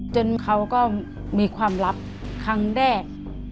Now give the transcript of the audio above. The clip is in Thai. เขาก็มีความลับครั้งแรก